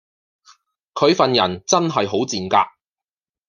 佢份人真係好賤格